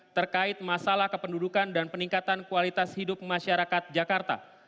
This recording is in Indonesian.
terkait masalah kependudukan dan peningkatan kualitas hidup masyarakat jakarta